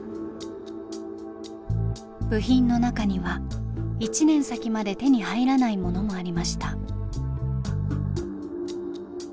部品の中には１年先まで手に入らないものもありました。